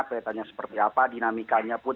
kaitannya seperti apa dinamikanya pun